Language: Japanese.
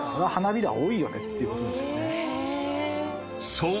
［そう。